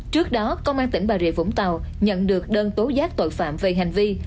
trước đó công an tỉnh bà rịa vũng tàu nhận được đơn tố giác tội phạm về hành vi